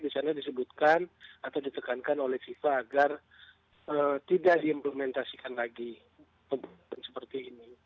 di sana disebutkan atau ditekankan oleh fifa agar tidak diimplementasikan lagi